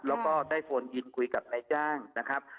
แล้วก็ได้โฟนยืนคุยกับนายจ้างนะครับ